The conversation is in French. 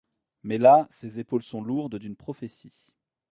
Mais là ses épaules sont lourdes d'une prophétie.